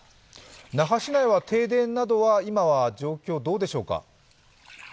那覇市内は停電などは今は状況、どうでしょうか。